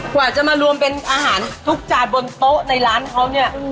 กว่าจะมารวมเป็นอาหารทุกจานบนโต๊ะในร้านเขาเนี่ย